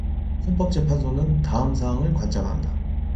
헌법재판소는 다음 사항을 관장한다.